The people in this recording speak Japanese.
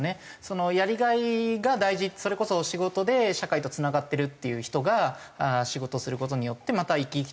やりがいが大事それこそ仕事で社会とつながってるっていう人が仕事する事によってまた生き生きと働ける。